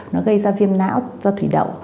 nó gây ra viêm não do thủy đậu